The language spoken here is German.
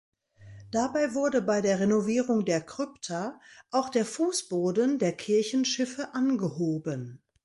Dabei wurde bei der Renovierung der Krypta auch der Fußboden der Kirchenschiffe angehoben.